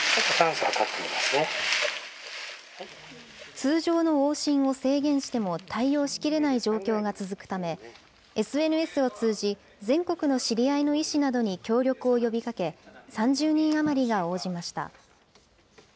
通常の往診を制限しても対応しきれない状況が続くため、ＳＮＳを通じ、全国の知り合いの医師などに協力を呼びかけ、３０人余りが応じました。